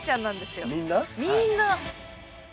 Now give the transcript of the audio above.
みんな。